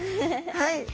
はい。